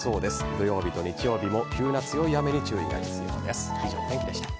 土曜日と日曜日も急な強い雨に注意が必要です。